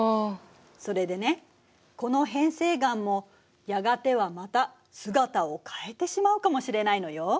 それでねこの変成岩もやがてはまた姿を変えてしまうかもしれないのよ。